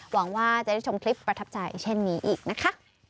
หวังว่าจะได้ชมคลิปประทับใจเช่นนี้อีกนะคะ